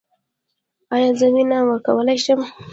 ایا زه وینه ورکولی شم؟